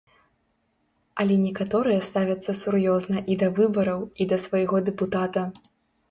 Але некаторыя ставяцца сур'ёзна і да выбараў, і да свайго дэпутата.